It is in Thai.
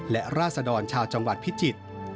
และราศดรชาวจังหวัดพิจิตร